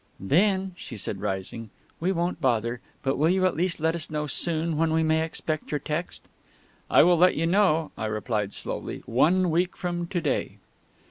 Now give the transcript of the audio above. "Then," she said, rising, "we won't bother. But will you at least let us know, soon, when we may expect your text?" "I will let you know," I replied slowly, "one week from to day."